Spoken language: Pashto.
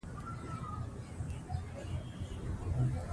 د کولمو بکتریاوې د انرژۍ تولید زیاتوي.